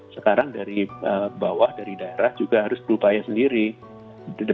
sekarang dari bawah dari daerah juga harus berupaya sendiri